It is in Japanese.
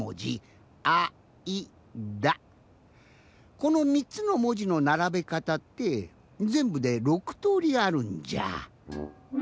この３つのもじのならべかたってぜんぶで６とおりあるんじゃ。